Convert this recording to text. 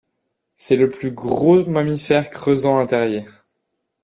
C'est le plus gros mammifère creusant un terrier.